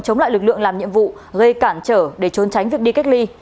chống lại lực lượng làm nhiệm vụ gây cản trở để trốn tránh việc đi cách ly